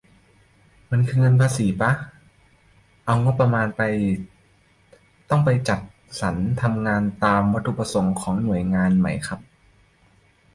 มันคือเงินภาษีป่ะ เอางบประมาณไป ต้องไปจัดสรรทำงานตามวัตถุประสงค์ของหน่วยงานไหมครับ